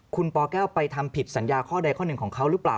คุณปแก้วไปทำผิดสัญญาข้อใดข้อหนึ่งของเขาหรือเปล่า